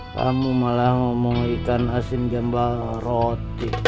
kamu malah ngomong ikan asin jembal roti